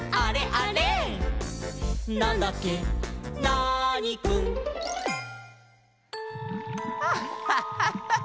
ナーニくん」アッハハハハ